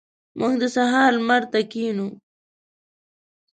موږ د سهار لمر ته کښینو.